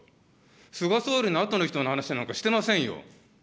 菅総理の後の人の話なんかしてませんよ。